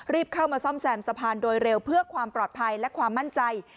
เข้ามาซ่อมแซมสะพานโดยเร็วเพื่อความปลอดภัยและความมั่นใจ